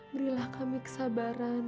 berilah kami kesabaran